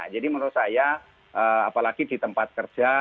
jadi menurut saya apalagi di tempat kerja